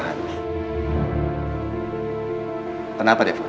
mengurus persiapan pernikahan